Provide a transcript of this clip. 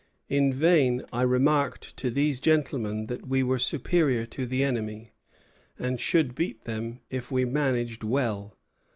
"In vain I remarked to these gentlemen that we were superior to the enemy, and should beat them if we managed well.